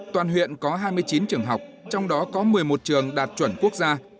toàn huyện có hai mươi chín trường học trong đó có một mươi một trường đạt chuẩn quốc gia